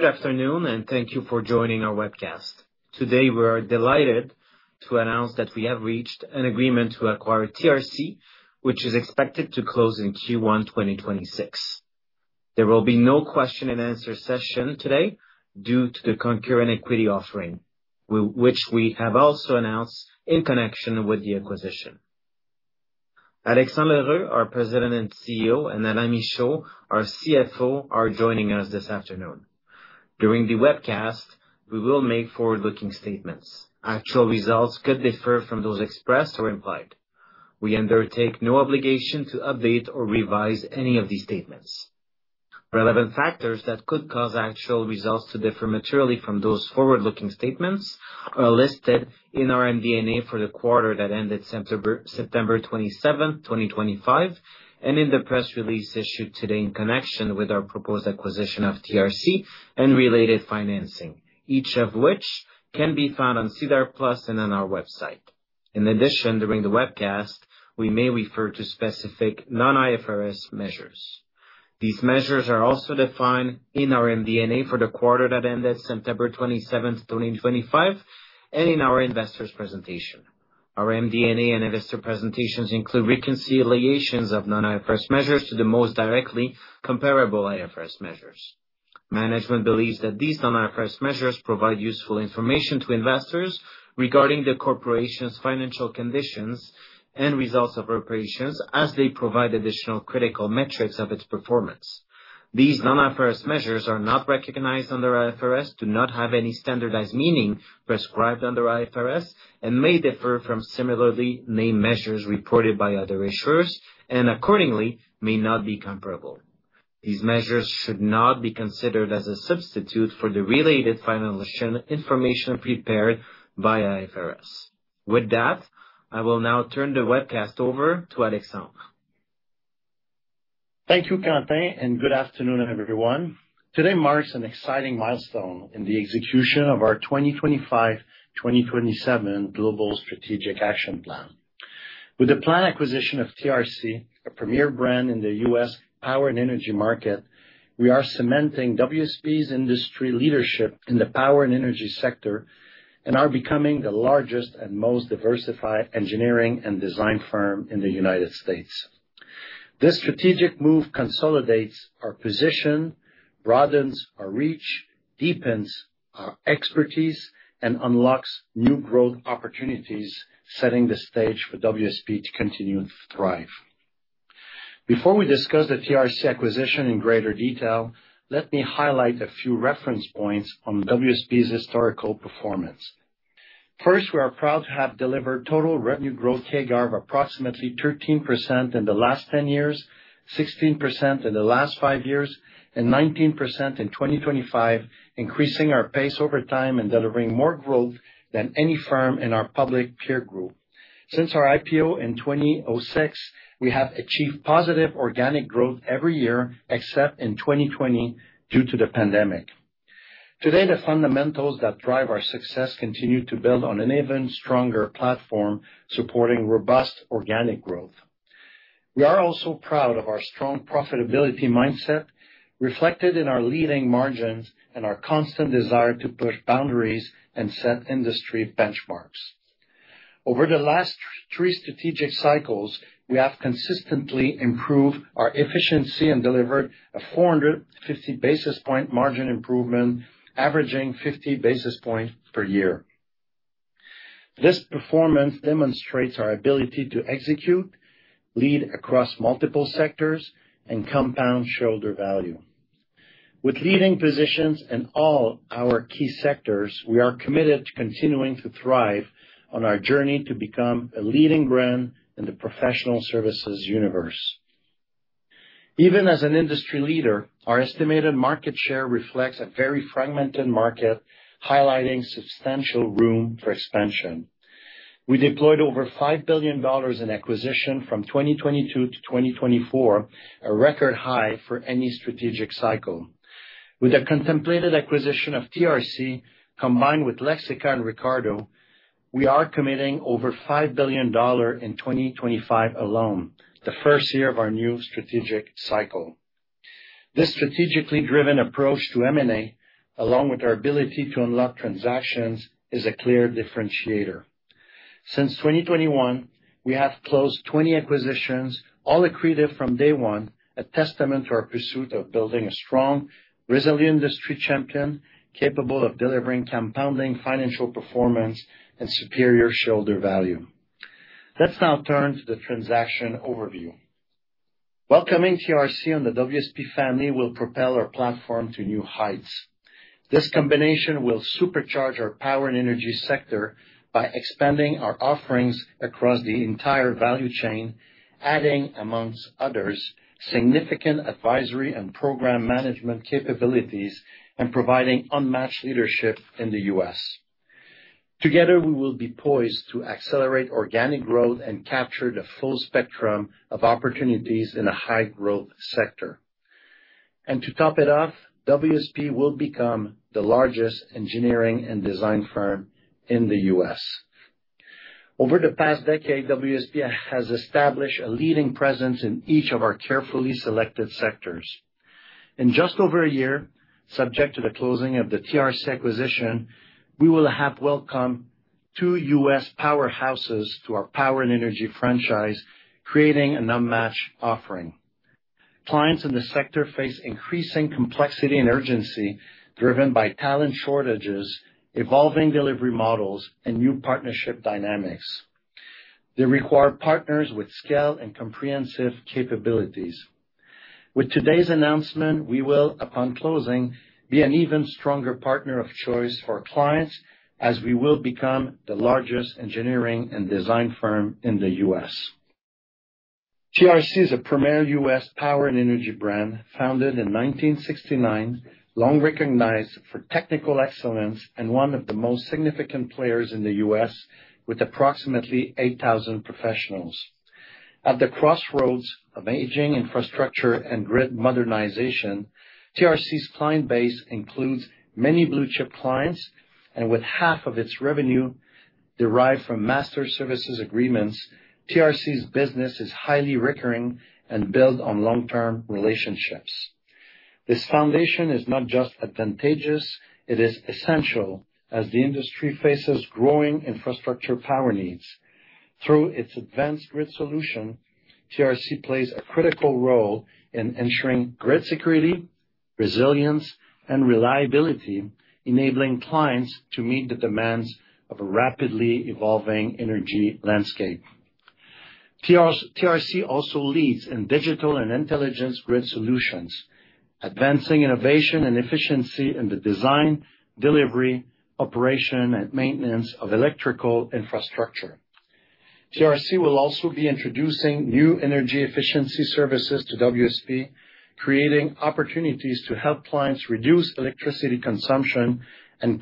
Good afternoon, and thank you for joining our webcast. Today, we're delighted to announce that we have reached an agreement to acquire TRC, which is expected to close in Q1 2026. There will be no question-and-answer session today due to the concurrent equity offering, which we have also announced in connection with the acquisition. Alexandre L'Heureux, our President and CEO, and Alain Michaud, our CFO, are joining us this afternoon. During the webcast, we will make forward-looking statements. Actual results could differ from those expressed or implied. We undertake no obligation to update or revise any of these statements. Relevant factors that could cause actual results to differ materially from those forward-looking statements are listed in our MD&A for the quarter that ended September 27, 2025, and in the press release issued today in connection with our proposed acquisition of TRC and related financing, each of which can be found on SEDAR+ and on our website. In addition, during the webcast, we may refer to specific non-IFRS measures. These measures are also defined in our MD&A for the quarter that ended September 27, 2025, and in our investors' presentation. Our MD&A and investor presentations include reconciliations of non-IFRS measures to the most directly comparable IFRS measures. Management believes that these non-IFRS measures provide useful information to investors regarding the corporation's financial conditions and results of operations as they provide additional critical metrics of its performance. These non-IFRS measures are not recognized under IFRS, do not have any standardized meaning prescribed under IFRS, and may differ from similarly named measures reported by other issuers, and accordingly, may not be comparable. These measures should not be considered as a substitute for the related financial information prepared by IFRS. With that, I will now turn the webcast over to Alexandre. Thank you, Quentin, and good afternoon, everyone. Today marks an exciting milestone in the execution of our 2025-2027 Global Strategic Action Plan. With the planned acquisition of TRC, a premier brand in the U.S. Power & Energy market, we are cementing WSP's industry leadership in the Power & Energy sector and are becoming the largest and most diversified engineering and design firm in the United States. This strategic move consolidates our position, broadens our reach, deepens our expertise, and unlocks new growth opportunities, setting the stage for WSP to continue to thrive. Before we discuss the TRC acquisition in greater detail, let me highlight a few reference points on WSP's historical performance. First, we are proud to have delivered total revenue growth CAGR of approximately 13% in the last 10 years, 16% in the last 5 years, and 19% in 2025, increasing our pace over time and delivering more growth than any firm in our public peer group. Since our IPO in 2006, we have achieved positive organic growth every year except in 2020 due to the pandemic. Today, the fundamentals that drive our success continue to build on an even stronger platform supporting robust organic growth. We are also proud of our strong profitability mindset reflected in our leading margins and our constant desire to push boundaries and set industry benchmarks. Over the last three strategic cycles, we have consistently improved our efficiency and delivered a 450 basis point margin improvement, averaging 50 basis points per year. This performance demonstrates our ability to execute, lead across multiple sectors, and compound shareholder value. With leading positions in all our key sectors, we are committed to continuing to thrive on our journey to become a leading brand in the professional services universe. Even as an industry leader, our estimated market share reflects a very fragmented market, highlighting substantial room for expansion. We deployed over $5 billion in acquisitions from 2022 to 2024, a record high for any strategic cycle. With the contemplated acquisition of TRC, combined with Lexica and Ricardo, we are committing over $5 billion in 2025 alone, the first year of our new strategic cycle. This strategically driven approach to M&A, along with our ability to unlock transactions, is a clear differentiator. Since 2021, we have closed 20 acquisitions, all accretive from day one, a testament to our pursuit of building a strong, resilient industry champion capable of delivering compounding financial performance and superior shareholder value. Let's now turn to the transaction overview. Welcoming TRC into the WSP family will propel our platform to new heights. This combination will supercharge our Power & Energy sector by expanding our offerings across the entire value chain, adding, amongst others, significant advisory and program management capabilities, and providing unmatched leadership in the U.S. Together, we will be poised to accelerate organic growth and capture the full spectrum of opportunities in a high-growth sector. And to top it off, WSP will become the largest engineering and design firm in the U.S. Over the past decade, WSP has established a leading presence in each of our carefully selected sectors. In just over a year, subject to the closing of the TRC acquisition, we will have welcomed two U.S. powerhouses to our Power & Energy franchise, creating an unmatched offering. Clients in the sector face increasing complexity and urgency driven by talent shortages, evolving delivery models, and new partnership dynamics. They require partners with scale and comprehensive capabilities. With today's announcement, we will, upon closing, be an even stronger partner of choice for clients as we will become the largest engineering and design firm in the U.S. TRC is a premier U.S. Power & Energy brand founded in 1969, long recognized for technical excellence, and one of the most significant players in the U.S. with approximately 8,000 professionals. At the crossroads of aging infrastructure and grid modernization, TRC's client base includes many blue-chip clients, and with half of its revenue derived from master services agreements, TRC's business is highly recurring and built on long-term relationships. This foundation is not just advantageous. It is essential as the industry faces growing infrastructure power needs. Through its advanced grid solution, TRC plays a critical role in ensuring grid security, resilience, and reliability, enabling clients to meet the demands of a rapidly evolving energy landscape. TRC also leads in digital and intelligence grid solutions, advancing innovation and efficiency in the design, delivery, operation, and maintenance of electrical infrastructure. TRC will also be introducing new energy efficiency services to WSP, creating opportunities to help clients reduce electricity consumption and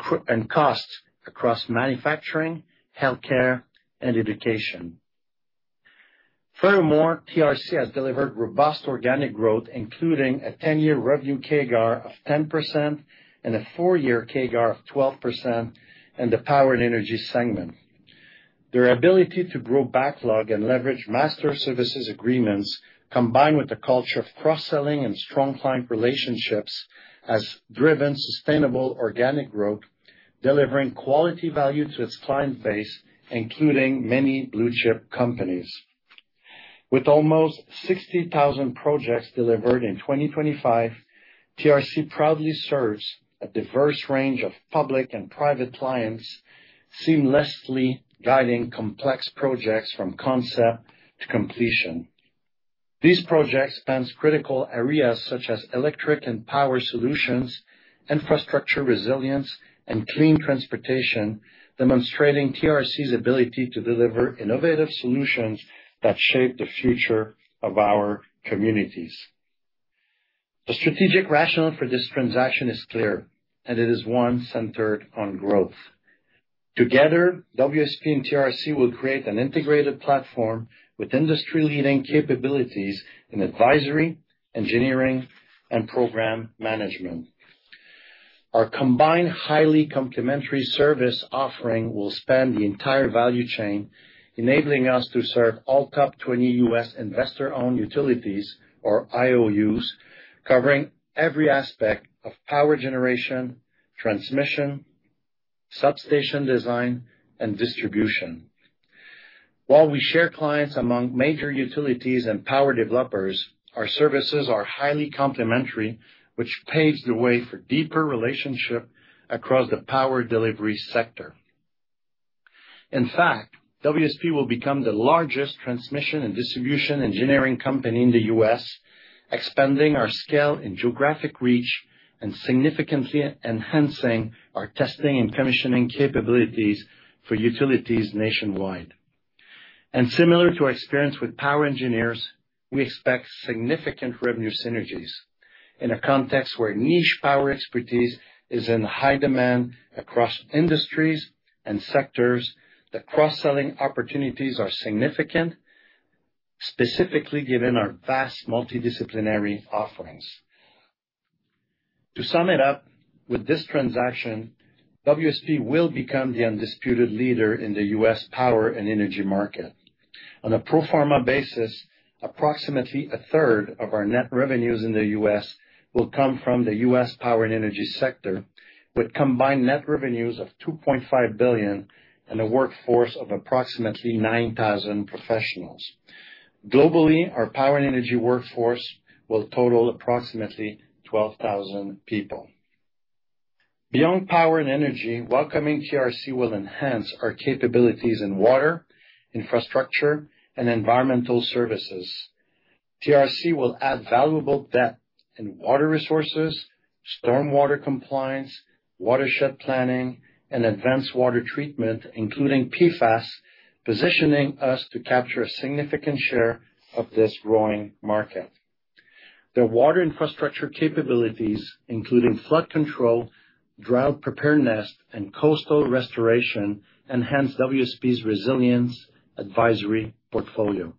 cost across manufacturing, healthcare, and education. Furthermore, TRC has delivered robust organic growth, including a 10-year revenue CAGR of 10% and a 4-year CAGR of 12% in the Power & Energy segment. Their ability to grow backlog and leverage master services agreements, combined with a culture of cross-selling and strong client relationships, has driven sustainable organic growth, delivering quality value to its client base, including many blue-chip companies. With almost 60,000 projects delivered in 2025, TRC proudly serves a diverse range of public and private clients, seamlessly guiding complex projects from concept to completion. These projects span critical areas such as electric and power solutions, infrastructure resilience, and clean transportation, demonstrating TRC's ability to deliver innovative solutions that shape the future of our communities. The strategic rationale for this transaction is clear, and it is one centered on growth. Together, WSP and TRC will create an integrated platform with industry-leading capabilities in advisory, engineering, and program management. Our combined highly complementary service offering will span the entire value chain, enabling us to serve all top 20 U.S. investor-owned utilities, or IOUs, covering every aspect of power generation, transmission, substation design, and distribution. While we share clients among major utilities and power developers, our services are highly complementary, which paves the way for deeper relationships across the power delivery sector. In fact, WSP will become the largest transmission and distribution engineering company in the U.S., expanding our scale and geographic reach and significantly enhancing our testing and commissioning capabilities for utilities nationwide, and similar to our experience with POWER Engineers, we expect significant revenue synergies. In a context where niche power expertise is in high demand across industries and sectors, the cross-selling opportunities are significant, specifically given our vast multidisciplinary offerings. To sum it up, with this transaction, WSP will become the undisputed leader in the U.S. Power & Energy market. On a pro forma basis, approximately a third of our net revenues in the U.S. will come from the U.S. Power & Energy sector, with combined net revenues of $2.5 billion and a workforce of approximately 9,000 professionals. Globally, our Power & Energy workforce will total approximately 12,000 people. Beyond Power & Energy, welcoming TRC will enhance our capabilities in water, infrastructure, and environmental services. TRC will add valuable debt in water resources, stormwater compliance, watershed planning, and advanced water treatment, including PFAS, positioning us to capture a significant share of this growing market. The water infrastructure capabilities, including flood control, drought preparedness, and coastal restoration, enhance WSP's resilience advisory portfolio.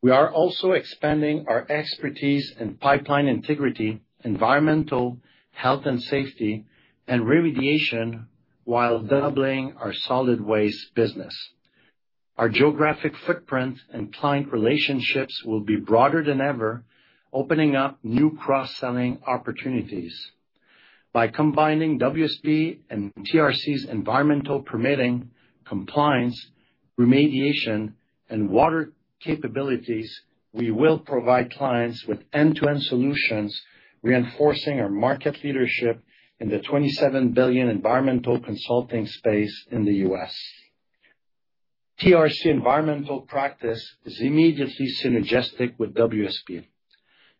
We are also expanding our expertise in pipeline integrity, environmental health and safety, and remediation while doubling our solid waste business. Our geographic footprint and client relationships will be broader than ever, opening up new cross-selling opportunities. By combining WSP and TRC's environmental permitting, compliance, remediation, and water capabilities, we will provide clients with end-to-end solutions, reinforcing our market leadership in the $27 billion environmental consulting space in the U.S. TRC environmental practice is immediately synergistic with WSP.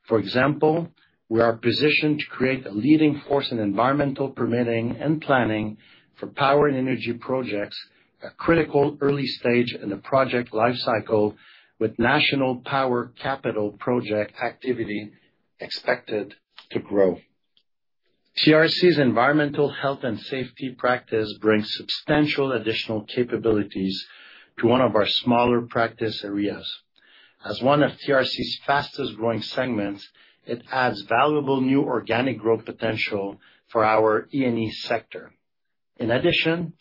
For example, we are positioned to create a leading force in environmental permitting and planning for Power & Energy projects, a critical early stage in the project life cycle, with national power capital project activity expected to grow. TRC's environmental health and safety practice brings substantial additional capabilities to one of our smaller practice areas. As one of TRC's fastest-growing segments, it adds valuable new organic growth potential for our E&E sector. In addition,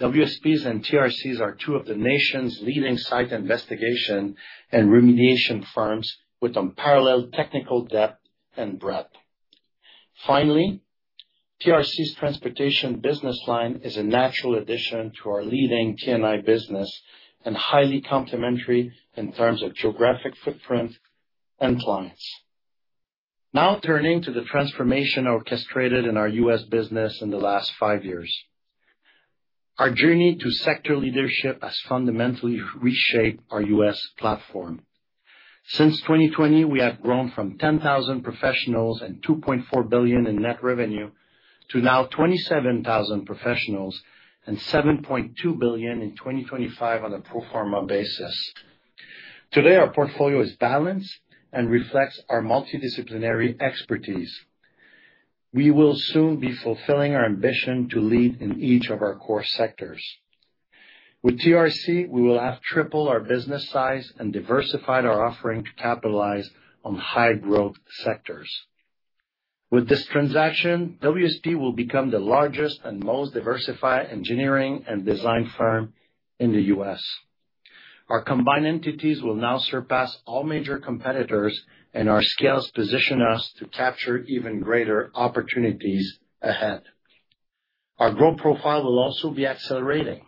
WSP's and TRC's are two of the nation's leading site investigation and remediation firms with unparalleled technical depth and breadth. Finally, TRC's transportation business line is a natural addition to our leading T&I business and highly complementary in terms of geographic footprint and clients. Now turning to the transformation orchestrated in our U.S. business in the last five years, our journey to sector leadership has fundamentally reshaped our U.S. platform. Since 2020, we have grown from 10,000 professionals and $2.4 billion in net revenue to now 27,000 professionals and $7.2 billion in 2025 on a pro forma basis. Today, our portfolio is balanced and reflects our multidisciplinary expertise. We will soon be fulfilling our ambition to lead in each of our core sectors. With TRC, we will have tripled our business size and diversified our offering to capitalize on high-growth sectors. With this transaction, WSP will become the largest and most diversified engineering and design firm in the U.S. Our combined entities will now surpass all major competitors, and our scale has positioned us to capture even greater opportunities ahead. Our growth profile will also be accelerating.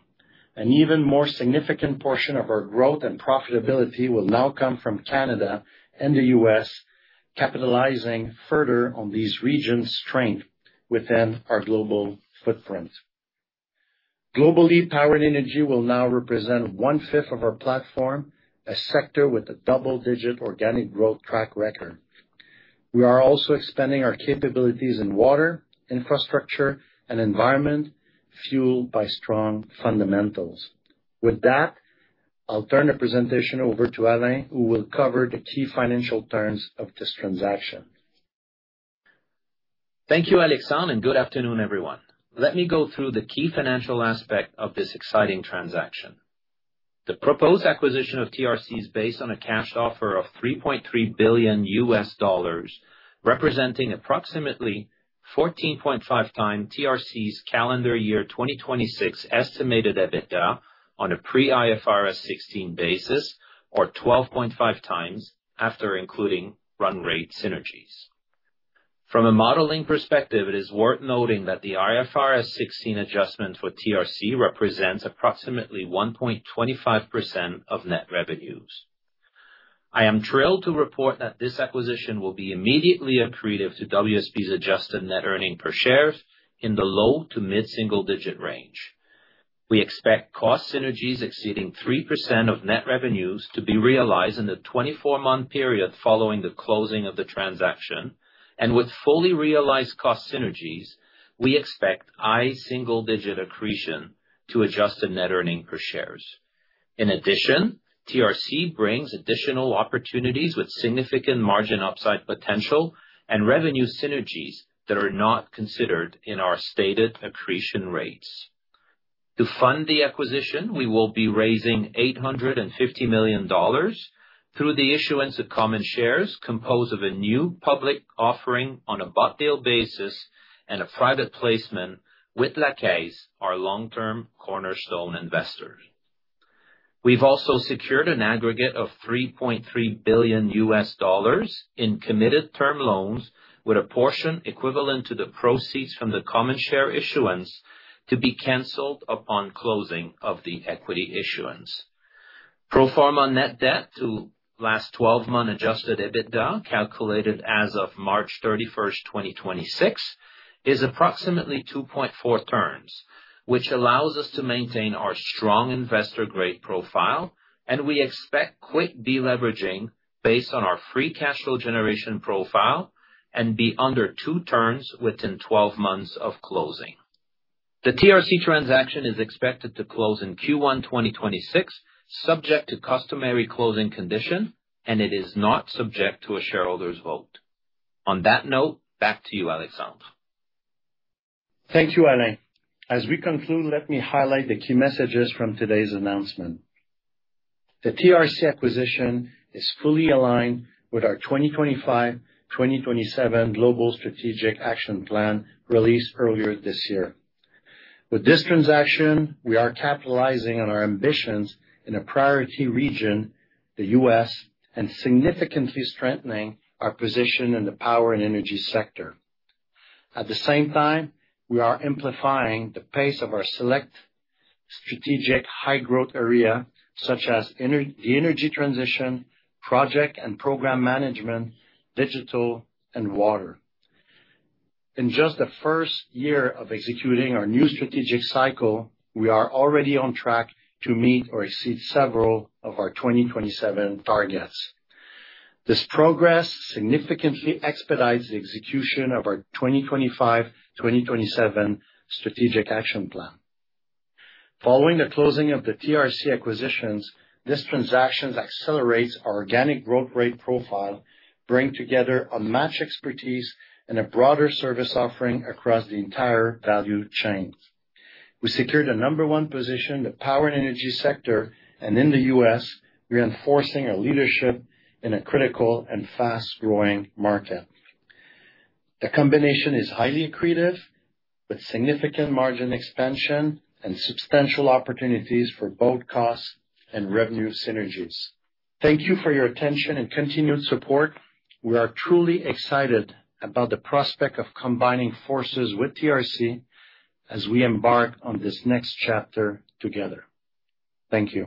An even more significant portion of our growth and profitability will now come from Canada and the U.S., capitalizing further on these regions' strength within our global footprint. Globally, Power & Energy will now represent one-fifth of our platform, a sector with a double-digit organic growth track record. We are also expanding our capabilities in water, infrastructure, and environment, fueled by strong fundamentals. With that, I'll turn the presentation over to Alain, who will cover the key financial terms of this transaction. Thank you, Alexandre, and good afternoon, everyone. Let me go through the key financial aspect of this exciting transaction. The proposed acquisition of TRC is based on a cash offer of $3.3 billion U.S., representing approximately 14.5x TRC's calendar year 2026 estimated EBITDA on a pre-IFRS 16 basis, or 12.5x after including run rate synergies. From a modeling perspective, it is worth noting that the IFRS 16 adjustment for TRC represents approximately 1.25% of net revenues. I am thrilled to report that this acquisition will be immediately accretive to WSP's adjusted net earnings per share in the low to mid-single-digit range. We expect cost synergies exceeding 3% of net revenues to be realized in the 24-month period following the closing of the transaction, and with fully realized cost synergies, we expect high single-digit accretion to adjusted net earnings per share. In addition, TRC brings additional opportunities with significant margin upside potential and revenue synergies that are not considered in our stated accretion rates. To fund the acquisition, we will be raising $850 million through the issuance of common shares composed of a new public offering on a bought deal basis and a private placement with La Caisse, our long-term cornerstone investor. We've also secured an aggregate of $3.3 billion in committed term loans, with a portion equivalent to the proceeds from the common share issuance to be canceled upon closing of the equity issuance. Pro forma net debt to last 12-month adjusted EBITDA, calculated as of March 31, 2026, is approximately 2.4x, which allows us to maintain our strong investment-grade profile, and we expect quick deleveraging based on our free cash flow generation profile and to be under two times within 12 months of closing. The TRC transaction is expected to close in Q1 2026, subject to customary closing condition, and it is not subject to a shareholder's vote. On that note, back to you, Alexandre. Thank you, Alain. As we conclude, let me highlight the key messages from today's announcement. The TRC acquisition is fully aligned with our 2025-2027 Global Strategic Action Plan released earlier this year. With this transaction, we are capitalizing on our ambitions in a priority region, the U.S., and significantly strengthening our position in the Power & Energy sector. At the same time, we are amplifying the pace of our select strategic high-growth area, such as the energy transition, project and program management, digital, and water. In just the first year of executing our new strategic cycle, we are already on track to meet or exceed several of our 2027 targets. This progress significantly expedites the execution of our 2025-2027 Strategic Action Plan. Following the closing of the TRC acquisitions, this transaction accelerates our organic growth rate profile, bringing together a matched expertise and a broader service offering across the entire value chain. We secured a number one position in the Power & Energy sector, and in the U.S., reinforcing our leadership in a critical and fast-growing market. The combination is highly accretive, with significant margin expansion and substantial opportunities for both cost and revenue synergies. Thank you for your attention and continued support. We are truly excited about the prospect of combining forces with TRC as we embark on this next chapter together. Thank you.